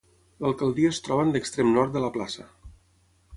L'Alcaldia es troba en l'extrem nord de la plaça.